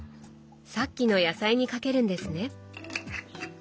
さっきの野菜にかけるんですね。